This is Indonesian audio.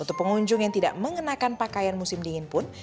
untuk pengunjung yang tidak mengenakan pakaian musim dingin pun